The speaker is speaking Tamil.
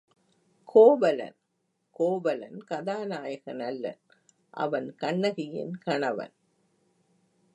கோவலன் கோவலன் கதாநாயகன் அல்லன் அவன் கண்ணகியின் கணவன்.